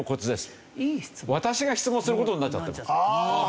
私が質問する事になっちゃって。